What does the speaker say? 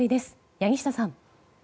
柳下さん。